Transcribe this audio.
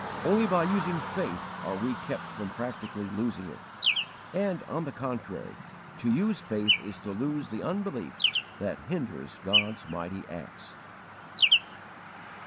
Only by using faith are we kept from practically losing it, and, on the contrary, to use faith is to lose the unbelief that hinders God's mighty acts.